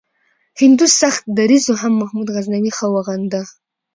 هندو سخت دریځو هم محمود غزنوي ښه وغنده.